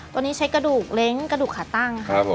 ตัวนี้ใช้กระดูกเล้งกระดูกขาตั้งครับผม